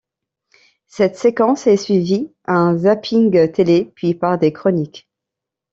Cette séquence est suivie un zapping télé, puis par des chroniques.